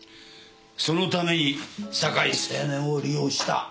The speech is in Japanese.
そのために酒井青年を利用した？